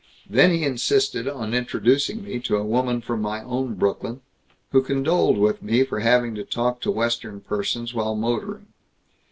Then he insisted on introducing me to a woman from my own Brooklyn, who condoled with me for having to talk to Western persons while motoring.